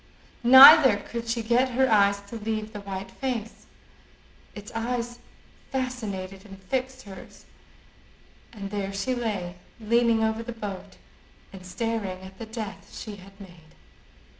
Neither could she get her eyes to leave the white face: its eyes fascinated and fixed hers; and there she lay leaning over the boat and staring at the death she had made.